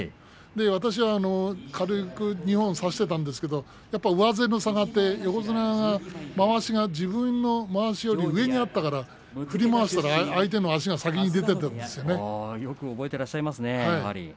私は軽く二本差していたんですけど上背の差があって横綱のまわしが自分のまわしより上にあったから振り回したらよく覚えてらっしゃいますね、やはり。